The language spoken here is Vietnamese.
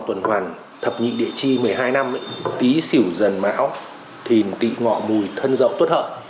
tuần hoàn thập nhị địa chi một mươi hai năm ấy tí xỉu dần máu thìn tị ngọ mùi thân dậu tuất hợp